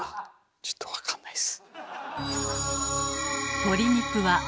ちょっと分かんないっす。